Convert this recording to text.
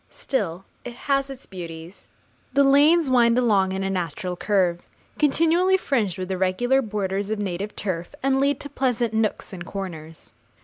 Still it has its beauties. The lanes wind along in a natural curve, continually fringed with irregular borders of native turf, and lead to pleasant nooks and corners.